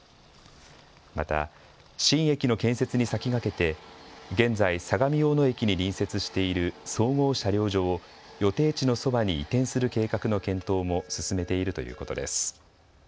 また新駅の建設に先駆けて現在、相模大野駅に隣接している総合車両所を予定地のそばに移転する計画の検討も進めているということです。